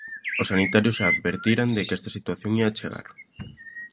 Os sanitarios xa advertiran de que esta situación ía chegar.